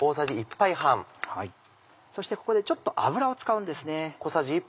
そしてここでちょっと油を使うんですね。